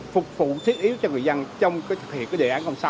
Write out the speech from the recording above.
phục vụ thiết yếu cho người dân trong thực hiện đề án sáu